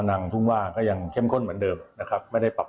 นางทุ่งว่าก็ยังเข้มข้นเหมือนเดิมนะครับไม่ได้ปรับ